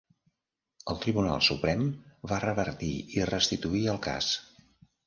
El Tribunal Suprem va revertir i restituir el cas.